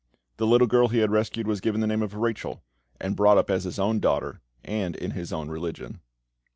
The little girl he had rescued was given the name of Rachel, and brought up as his own daughter, and in his own religion.